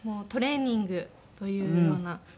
トレーニングというような。